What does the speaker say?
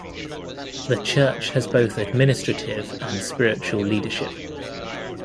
The church has both administrative and spiritual leadership.